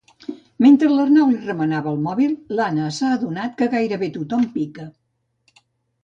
Mentre l'Arnau li remenava el mòbil, l'Anna s'ha adonat que gairebé tothom pica.